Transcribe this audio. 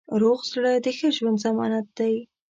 روغ زړه د ښه ژوند ضمانت دی.